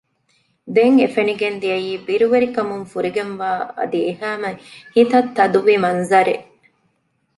ދެން އެ ފެނިގެން ދިޔައީ ބިރުވެރިކަމުން ފުރިގެންވާ އަދި އެހައިމެ ހިތަށް ތަދުވި މަންޒަރެއް